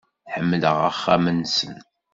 Ḥemmleɣ axxam-nsen.